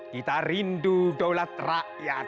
kita rindu daulat rakyat